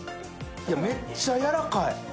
めっちゃやらかい。